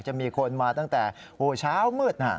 จะมีคนมาตั้งแต่เช้ามืด